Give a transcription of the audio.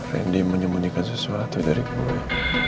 randy menyembunyikan sesuatu dari gua